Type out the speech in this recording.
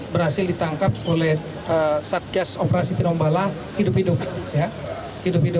berhasil ditangkap oleh satgas operasi tinombala hidup hidup